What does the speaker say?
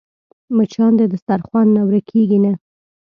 مچان د دسترخوان نه ورکېږي نه